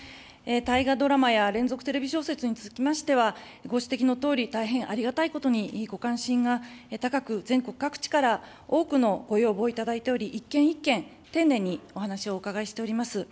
大河ドラマや連続テレビ小説につきましては、ご指摘のとおり、大変ありがたいことに、ご関心が高く、全国各地から多くのご要望をいただいており、一件一件、丁寧にお話をお伺いしております。